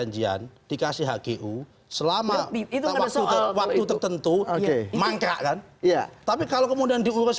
perjanjian dikasih hgu selama itu waktu tertentu oke mangkrak kan iya tapi kalau kemudian diurus